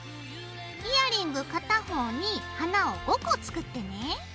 イヤリング片方に花を５個作ってね。